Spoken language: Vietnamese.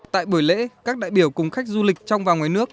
tại buổi lễ các đại biểu cùng khách du lịch trong và ngoài nước